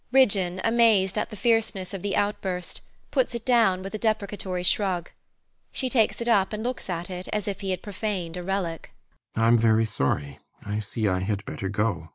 Ridgeon, amazed at the fierceness of the outburst, puts it down with a deprecatory shrug. She takes it up and looks at it as if he had profaned a relic.